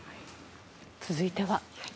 続いては。